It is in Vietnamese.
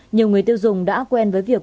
nhiều người tiêu dùng đã quen với việc